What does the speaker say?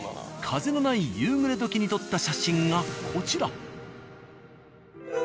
風のない夕暮れ時に撮った写真がこちら。